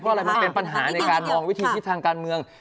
อะไรมันเป็นปัญหาในการมองวิธีที่ทางการเมือง